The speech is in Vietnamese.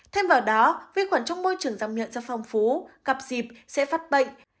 thêm vào đó viết khoản trong môi trường răng miệng do phong phú cặp dịp sẽ phát bệnh